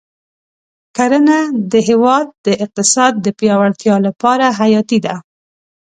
کرنه د هېواد د اقتصاد د پیاوړتیا لپاره حیاتي ده.